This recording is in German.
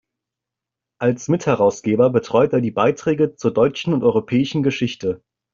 Als Mitherausgeber betreut er die "Beiträge zur Deutschen und Europäischen Geschichte".